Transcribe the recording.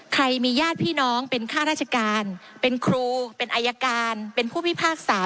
ใครมีญาติพี่น้องเป็นค่าราชการเป็นครูเป็นอายการเป็นผู้พิพากษา